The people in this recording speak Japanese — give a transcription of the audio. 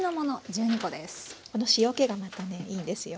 この塩けがまたねいいんですよ。